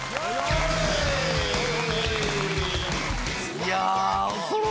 いや。